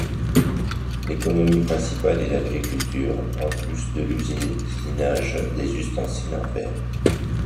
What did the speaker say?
L'économie principale est l'agriculture, en plus de l'usinage des ustensiles en fer.